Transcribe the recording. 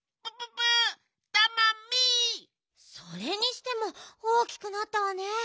それにしても大きくなったわね。